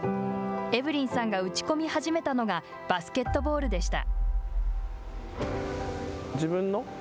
エブリンさんが打ち込み始めたのがバスケットボールでした。